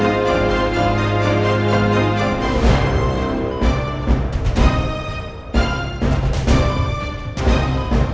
maaf pak aldebaran